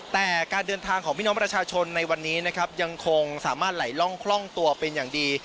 แต่การเดินทางของพี่น้องประชาชนในวันนี้นะครับยังคงสามารถไหลล่องคล่องตัวเป็นอย่างดี